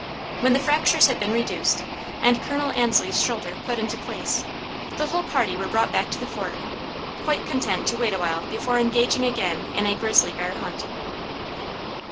When the fractures had been reduced, and Col. Ansley's shoulder put into place, the whole party were brought back to the Fort, quite content to wait awhile before engaging again in a 'grizzly bear hunt.'"